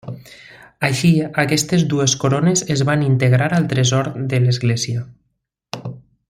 Així, aquestes dues corones es van integrar al tresor de l'església.